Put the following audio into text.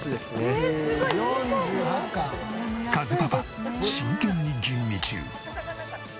かずパパ真剣に吟味中。